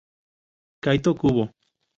Kaito Kubo